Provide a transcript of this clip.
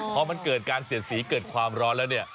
พอมันเกิดการเสียดสีเกิดความร้อนแล้วเนี่ย